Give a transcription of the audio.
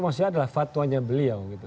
maksudnya adalah fatwanya beliau